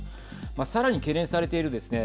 さらに懸念されているですね